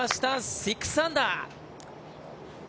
６アンダー。